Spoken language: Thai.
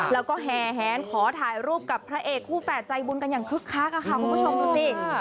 แล้วก็แห่แหนขอถ่ายรูปกับพระเอกคู่แฝดใจบุญกันอย่างคึกคักค่ะคุณผู้ชมดูสิ